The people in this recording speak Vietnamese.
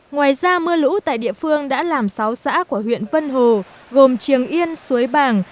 ngoài ra mưa lũ tại địa phương đã làm sáu xã của huyện vân hồ gồm triềng yên suối bàng